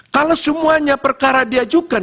kalau semuanya perkara diajukan